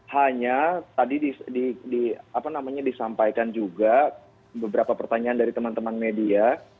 hanya tadi disampaikan juga beberapa pertanyaan dari teman teman media